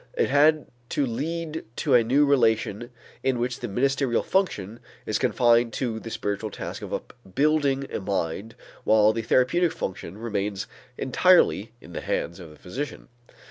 It had to lead to a new relation in which the ministerial function is confined to the spiritual task of upbuilding a mind while the therapeutic function remains entirely in the hands of the physician.